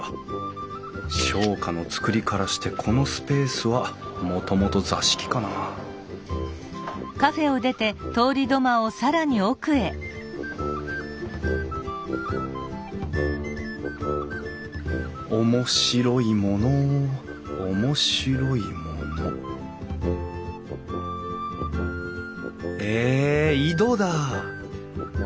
商家の造りからしてこのスペースはもともと座敷かな面白いもの面白いものえっ井戸だ！